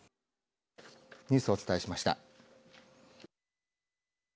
ニュースをお伝えしました。